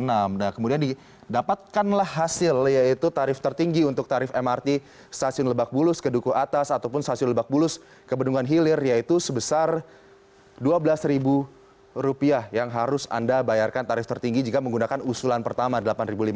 nah kemudian didapatkanlah hasil yaitu tarif tertinggi untuk tarif mrt stasiun lebak bulus ke duku atas ataupun stasiun lebak bulus ke bendungan hilir yaitu sebesar rp dua belas yang harus anda bayarkan tarif tertinggi jika menggunakan usulan pertama rp delapan lima ratus